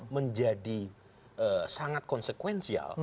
menjadi sangat konsekuensial